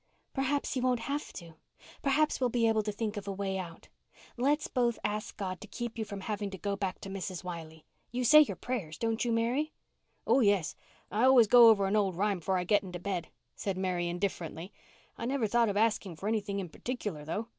"Perhaps you won't have to. Perhaps we'll be able to think of a way out. Let's both ask God to keep you from having to go back to Mrs. Wiley. You say your prayers, don't you Mary?" "Oh, yes, I always go over an old rhyme 'fore I get into bed," said Mary indifferently. "I never thought of asking for anything in particular though.